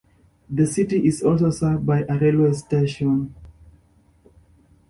The city is also served by a railway station.